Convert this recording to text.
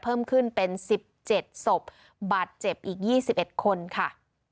เพิ่มขึ้นเป็น๑๗ศพบาดเจ็บอีก๒๑คนค่ะ